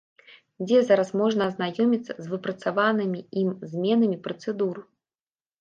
Дзе зараз можна азнаёміцца з выпрацаванымі ім зменамі працэдур?